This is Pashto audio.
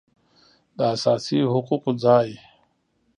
داساسي حقوقو ځای